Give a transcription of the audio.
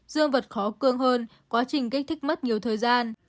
dương vật khó cương hơn quá trình kích thích mất nhiều thời gian